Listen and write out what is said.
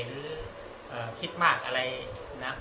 หรือคิดมากอะไรนะ